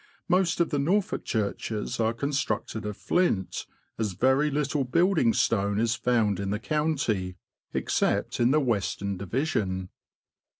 Most of the Norfolk churches are constructed of flint, as very little building stone is found in the county, except in the western division.